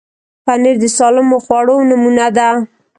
پنېر د سالمو خوړو نمونه ده.